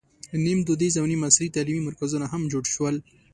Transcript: نیم دودیز او نیم عصري تعلیمي مرکزونه هم جوړ شول.